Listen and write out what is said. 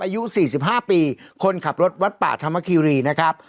อายุ๔๕ปีคนขับรถวัดป่าธรรมคีรีนะครับ